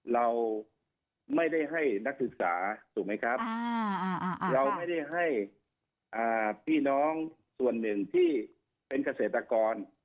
เราไม่ได้ให้นักศึกษาถูกไหมครับเราไม่ได้ให้พี่น้องส่วนหนึ่งที่เป็นเกษตรกร